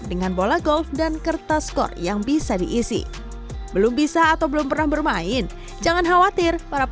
dengan bola golf dan kertas skor yang bisa diisi belum bisa atau belum pernah bermain jangan khawatir para